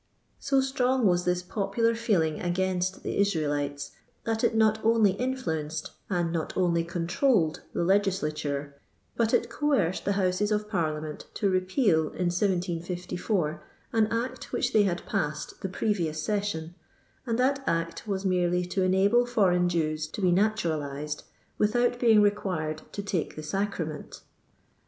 DO strong was this popular feeling against the Israelites, that it not only influenced, and not only controlled the legisktnre, but it coerced the Houses of Parliament to repeal, in 1754, an act which they had passed the previous session, and that act was merely to enable foreign Jews to be natural iaed without being required to take the sacrament!